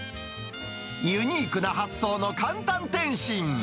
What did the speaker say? ユニークな発想の簡単点心。